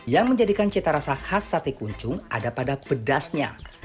yang menjadikan cita rasa khas sate kuncung ada pada pedasnya